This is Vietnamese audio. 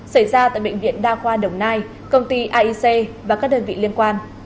xảy ra tại bệnh viện đa khoa đồng nai công ty aic và các đơn vị liên quan